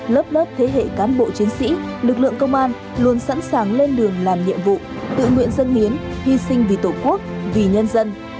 lớp lớp thế hệ cán bộ chiến sĩ lực lượng công an luôn sẵn sàng lên đường làm nhiệm vụ tự nguyện dân hiến hy sinh vì tổ quốc vì nhân dân